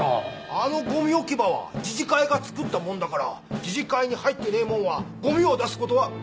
あのゴミ置き場は自治会が作ったもんだから自治会に入ってねえ者はゴミを出す事はできねえ！